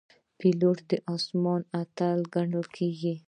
پیلوټ د آسمان اتل ګڼل کېږي.